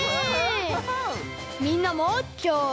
みんなもきょう１にち。